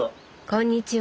こんにちは。